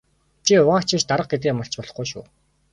Чи угаагч биш дарга гэдгээ мартаж болохгүй шүү.